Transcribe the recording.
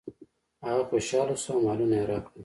هغه خوشحاله شو او مالونه یې راکړل.